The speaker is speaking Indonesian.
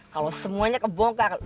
kalau semuanya kebongkar